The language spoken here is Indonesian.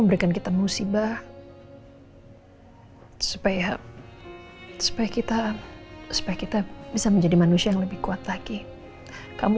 memberikan kita musibah supaya supaya kita supaya kita bisa menjadi manusia yang lebih kuat lagi kamu